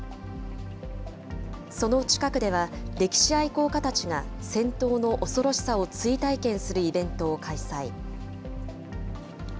その近くでは、歴史愛好家たちが戦闘の恐ろしさを追体験するイベントを開催。